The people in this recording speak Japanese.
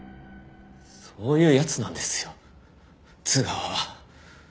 そういう奴なんですよ津川は。